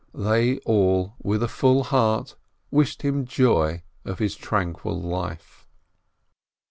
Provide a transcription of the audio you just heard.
They all, with a full heart, wished him joy of his tranquil life.